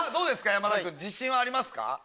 山田くん自信はありますか？